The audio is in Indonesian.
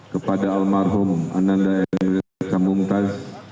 kepada almarhum ananda en kamuntas